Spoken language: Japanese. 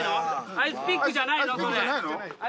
アイスピックじゃないの？